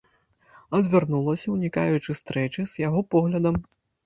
Адвярнулася, унікаючы стрэчы з яго поглядам.